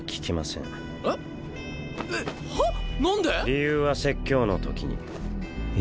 理由は説教のときに。